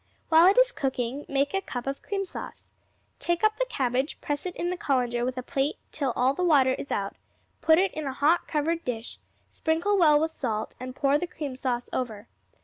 While it is cooking, make a cup of cream sauce. Take up the cabbage, press it in the colander with a plate till all the water is out; put it in a hot covered dish, sprinkle well with salt, and pour the cream sauce over.